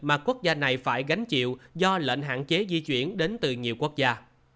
mà quốc gia này phải gánh chịu do lệnh hạn chế di chuyển đến từ nhiều quốc gia